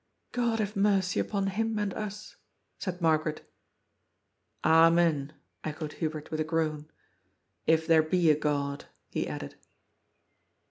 " 6od hare mercy upon him and us," said Margaret " Amen," echoed Hubert with a groan. " If there be a Ood," he added.